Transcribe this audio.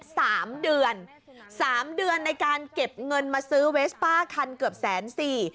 สามเดือนสามเดือนในการเก็บเงินมาซื้อเวสป้าคันเกือบแสนสี่